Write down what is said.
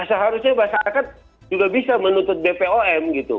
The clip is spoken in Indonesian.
seharusnya masyarakat juga bisa menutup bepom gitu